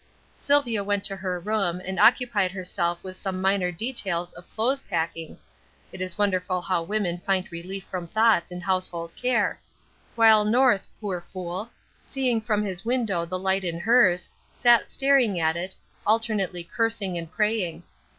Sylvia went to her room and occupied herself with some minor details of clothes packing (it is wonderful how women find relief from thoughts in household care), while North, poor fool, seeing from his window the light in hers, sat staring at it, alternately cursing and praying.